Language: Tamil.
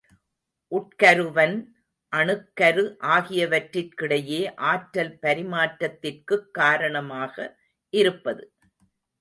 உட்கருவன், அணுக்கரு ஆகியவற்றிற் கிடையே ஆற்றல் பரிமாற்றத்திற்குக் காரணமாக இருப்பது.